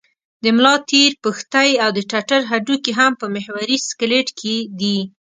د ملا تیر، پښتۍ او د ټټر هډوکي هم په محوري سکلېټ کې دي.